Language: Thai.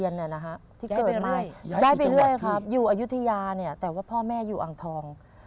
อยู่อายุทธิยาเนี่ยแต่ว่าพ่อแม่อยู่อ่างทอง